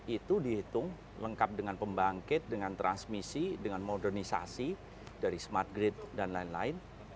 itu dihitung lengkap dengan pembangkit dengan transmisi dengan modernisasi dari smart grade dan lain lain